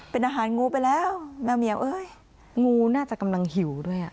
เป็นอาหารงูไปแล้วแมวเหมียวเอ้ยงูน่าจะกำลังหิวด้วยอ่ะ